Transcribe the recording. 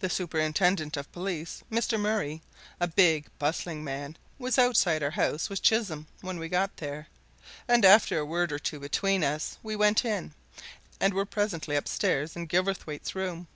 The superintendent of police, Mr. Murray, a big, bustling man, was outside our house with Chisholm when we got there, and after a word or two between us, we went in, and were presently upstairs in Gilverthwaite's room.